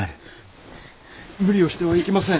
無理をしてはいけません。